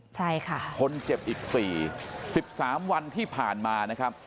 ใช่ค่ะคนเจ็บอีก๔๑๓วันที่ผ่านมานะครับ